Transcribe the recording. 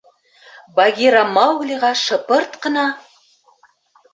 Багира Мауглиға шыпырт ҡына: